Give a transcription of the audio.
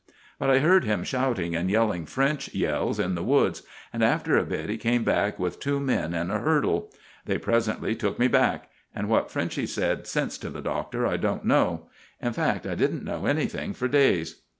But I heard him shouting and yelling French yells in the woods, and after a bit he came back with two men and a hurdle. They presently took me back, and what Frenchy's said since to the Doctor I don't know. In fact, I didn't know anything for days.